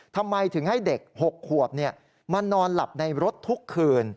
ทำไมถึงให้เด็ก๖ขวบมานอนหลับในรถทุกคืน